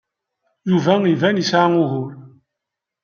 Yuba iban yesɛa ugur.